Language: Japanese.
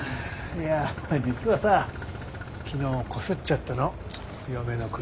いや実はさ昨日こすっちゃったの嫁の車。